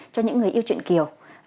cho những người yêu truyện kiều